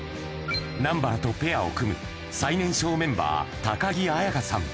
南原とペアを組む最年少メンバー、高木礼華さん。